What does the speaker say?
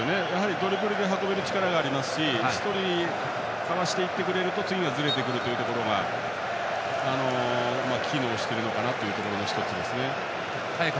ドリブルで運べる力があるし１人かわしてくれると次がずれてくるというところが機能しているのかなというところですね。